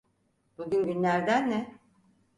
Bugün günlerden ne?